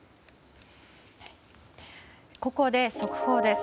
ここで速報です。